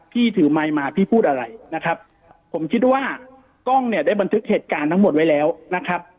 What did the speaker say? ถือไมค์มาพี่พูดอะไรนะครับผมคิดว่ากล้องเนี่ยได้บันทึกเหตุการณ์ทั้งหมดไว้แล้วนะครับ